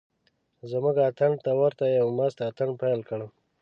زموږ اتڼ ته ورته یو مست اتڼ پیل کړ.